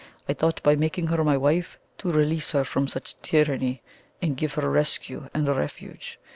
I thought, by making her my wife, to release her from such tyranny and give her rescue and refuge.